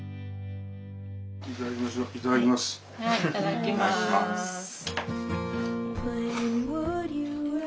いただきましょう。